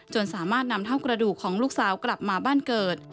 สามารถนำเท่ากระดูกของลูกสาวกลับมาบ้านเกิด